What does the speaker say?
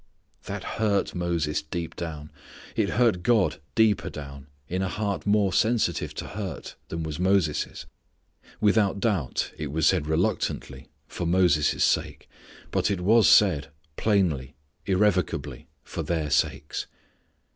That hurt Moses deep down. It hurt God deeper down, in a heart more sensitive to hurt than was Moses'. Without doubt it was said with reluctance, for Moses' sake. But it was said, plainly, irrevocably, for their sakes.